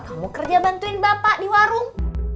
kamu kerja bantuin bapak di warung